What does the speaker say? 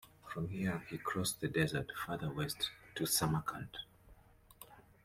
From here, he crossed the desert further west to Samarkand.